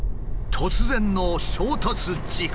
突然の衝突事故。